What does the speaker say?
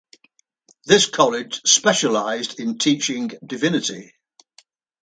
This college specialised in teaching Divinity.